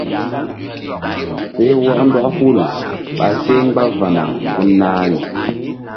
Seh wɔk ndɔk hul ɓa seh mgba va̧na gun nahi.